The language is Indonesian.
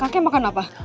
kakek makan apa